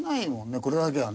これだけはね。